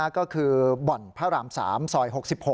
ก็คือบ่อนพระราม๓ซอย๖๖